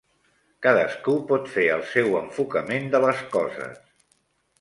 Cadascú pot fer el seu enfocament de les coses.